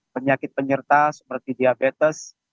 penyakit penyerta seperti diabetes